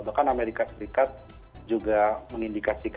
bahkan amerika serikat juga mengindikasikan